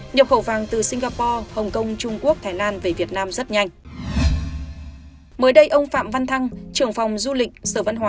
nhập khẩu vàng từ singapore hồng kông trung quốc thái lan về việt nam rất nhanh